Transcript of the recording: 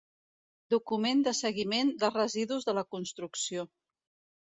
Document de seguiment dels residus de la construcció.